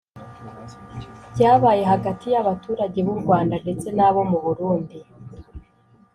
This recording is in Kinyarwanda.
Byabaye hagati y’abaturage b’u Rwanda ndetse n’abo mu Burundi